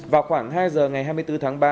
vào khoảng hai giờ ngày hai mươi bốn tháng ba